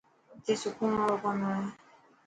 اٿي سڪون واڙو ڪم هي.